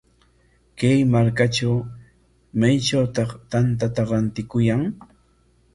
Kay markatraw, ¿maytrawtaq tantata rantikuyan?